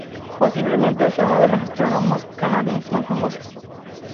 Posiblemente sea uno de los astrónomos canadienses más famosos.